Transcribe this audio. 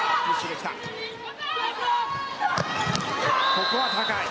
ここは高い。